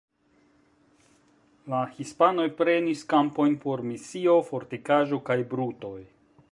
La hispanoj prenis kampojn por misio, fortikaĵo kaj brutoj.